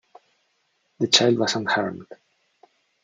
The child was unharmed.